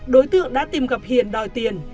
đối tượng đã tìm gặp hiền đòi tiền